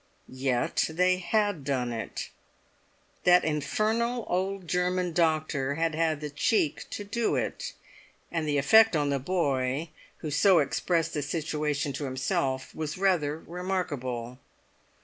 Yet they had done it; that infernal old German doctor had had the cheek to do it; and the effect on the boy, who so expressed the situation to himself, was rather remarkable.